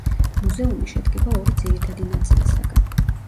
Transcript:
მუზეუმი შედგება ორი ძირითადი ნაწილისაგან.